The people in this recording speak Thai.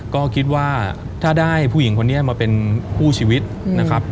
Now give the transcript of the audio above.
ก็คิดว่าถ้าได้ผู้หญิงคนนี้มาเป็นคู่ชีวิตนะครับ